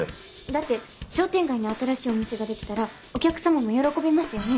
だって商店街に新しいお店ができたらお客様も喜びますよね？